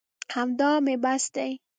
همدا مې بس دي.